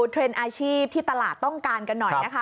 เทรนด์อาชีพที่ตลาดต้องการกันหน่อยนะคะ